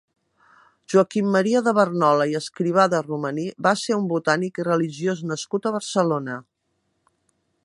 Joaquim Maria de Barnola i Escrivà de Romaní va ser un botànic i religiós nascut a Barcelona.